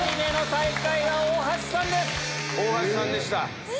大橋さんでした。